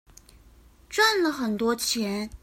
賺了很多錢